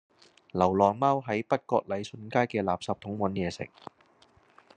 流浪貓喺北角禮信街嘅垃圾桶搵野食